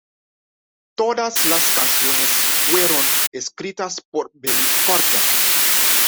Todas las canciones fueron escritas por Billy Corgan.